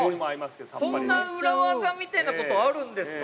そんな裏技みたいなことあるんですか。